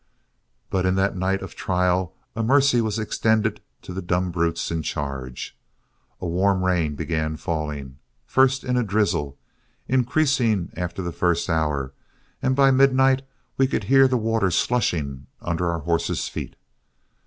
But in that night of trial a mercy was extended to the dumb brutes in charge. A warm rain began falling, first in a drizzle, increasing after the first hour, and by midnight we could hear the water slushing under our horses' feet.